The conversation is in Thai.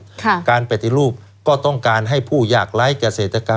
การปฏิรูปก็ต้องการให้ผู้ยากไร้เกษตรกรรม